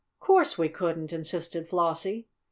"Course we couldn't!" insisted Flossie.